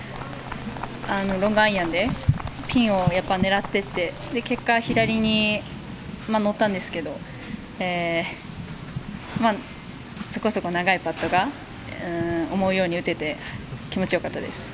ロングアイアンでピンを狙って結果、左に乗ったんですがそこそこ長いパットが思うように打てて気持ち良かったです。